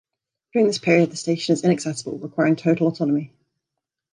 During this period, the station is inaccessible, requiring total autonomy.